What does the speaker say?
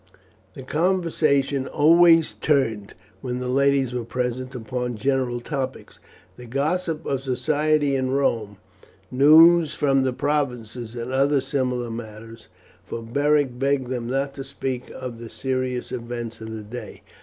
The conversation always turned, when the ladies were present, upon general topics the gossip of society in Rome, news from the provinces, and other similar matters, for Beric begged them not to speak of the serious events of the day.